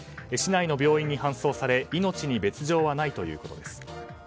市内の病院に搬送され命に別条はないということです。